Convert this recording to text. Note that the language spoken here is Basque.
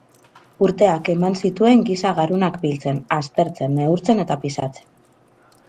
Urteak eman zituen giza garunak biltzen, aztertzen, neurtzen... eta pisatzen.